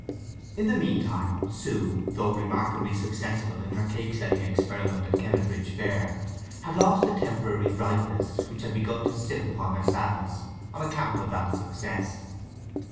In the meantime Sue, though remarkably successful in her cake selling experiment at Kennetbridge fair, had lost the temporary brightness which had begun to sit upon her sadness on account of that success.